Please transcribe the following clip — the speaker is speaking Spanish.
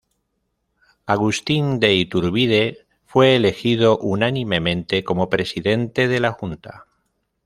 Agustin de Iturbide fue elegido unánimemente como Presidente de la Junta.